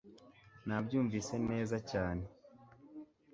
nabyumvise neza cyane